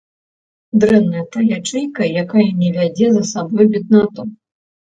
Дрэнная тая ячэйка, якая не вядзе за сабой беднату.